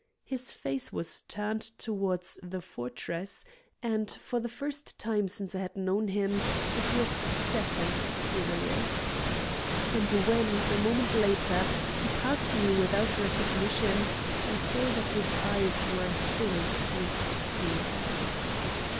His face was turned toward the fortress, and for the first time since I had known him it was set and serious. And when, a moment later, he passed me without recognition, I saw that his eyes were filled with fear.